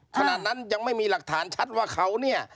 ขนาดนั้นยังไม่มีหลักฐานชัดว่าเขาเนี่ย